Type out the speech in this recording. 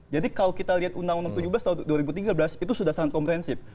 kalau kita lihat undang undang tujuh belas tahun dua ribu tiga belas itu sudah sangat komprehensif